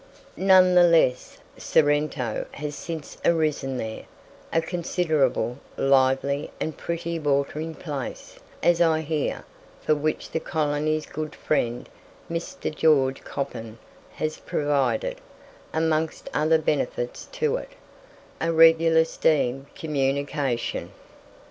None the less, Sorrento has since arisen there a considerable, lively, and pretty watering place, as I hear, for which the colony's good friend, Mr. George Coppin, has provided, amongst other benefits to it, a regular steam communication.